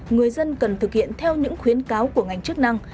người dân cần thực hiện theo những khuyến cáo của ngành chức năng